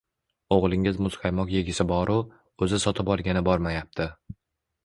O‘g‘lingiz muzqaymoq yegisi boru, o‘zi sotib olgani bormayapti.